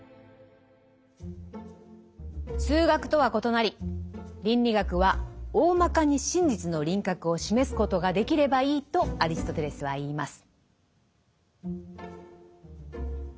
数学とは異なり倫理学は「おおまかに真実の輪郭を示すことができればいい」とアリストテレスは言います。